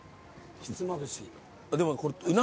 ひつまぶし。